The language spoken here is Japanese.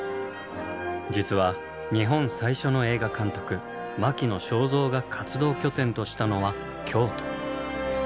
実は日本最初の映画監督牧野省三が活動拠点としたのは京都。